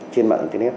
trên mạng internet